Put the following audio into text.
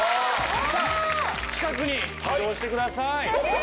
さあ近くに移動してください。